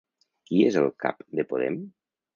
Qui és el cap de Podem?